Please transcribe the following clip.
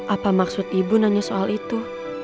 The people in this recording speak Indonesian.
apa maksud ibu nanya soal itu